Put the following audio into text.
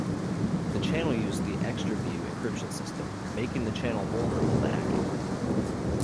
The channel used the Xtraview Encryption System, making the channel vulnerable to hacking.